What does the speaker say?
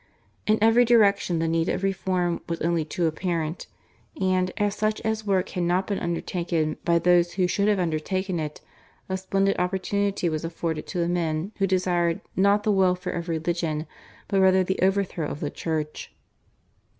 In every direction the need of reform was only too apparent, and, as such as work had not been undertaken by those who should have undertaken it, a splendid opportunity was afforded to the men who desired not the welfare of religion but rather the overthrow of the Church.